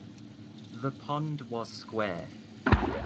The pond was square.